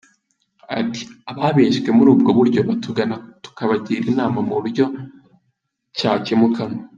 Ati “Ababeshywe muri ubwo buryo batugana tukabagira inama mu buryo cyakemukamo.